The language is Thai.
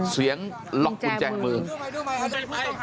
เสียงล็อกกุญแจมือกุญแจมือดูใหม่ดูใหม่